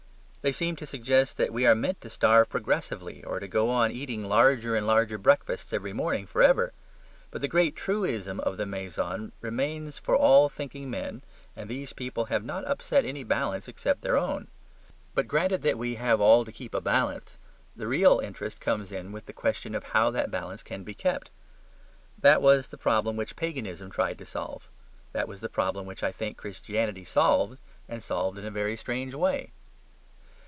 They seem to suggest that we are meant to starve progressively, or to go on eating larger and larger breakfasts every morning for ever. But the great truism of the MESON remains for all thinking men, and these people have not upset any balance except their own. But granted that we have all to keep a balance, the real interest comes in with the question of how that balance can be kept. That was the problem which Paganism tried to solve: that was the problem which I think Christianity solved and solved in a very strange way.